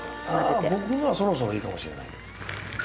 あぁ僕のはそろそろいいかもしれない。